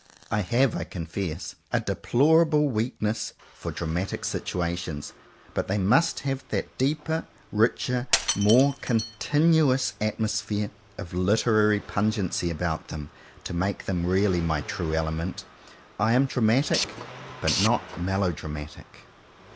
I have, I confess, a palpable weakness for dramatic situations, but they must have that deeper, richer, more continuous atmos phere, of literary pungency about them, to make them really my true element. I am dramatic; but not melo dramatic.